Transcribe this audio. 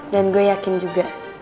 dan gue yakin juga